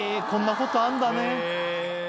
こんなことあんだね！